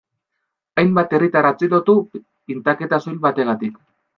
Hainbat herritar atxilotu pintaketa soil bategatik.